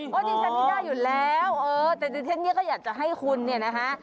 จริงฉันพี่ได้อยู่แล้วเออแต่เซ็ทนี้ก็อยากจะให้คุณเนี่ยนะคะ